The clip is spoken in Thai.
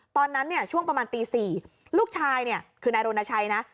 ตอนนั้นเนี่ยช่วงประมาณตี๔ลูกชายเนี่ยคือนายรณชัยนะ